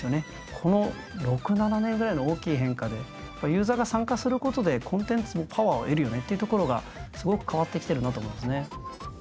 この６７年ぐらいの大きい変化でやっぱユーザーが参加することでコンテンツもパワーを得るよねっていうところがすごく変わってきてるなと思いますね。